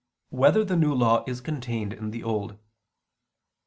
3] Whether the New Law Is Contained in the Old?